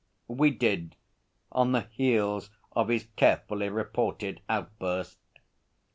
We did on the heels of his carefully reported outburst.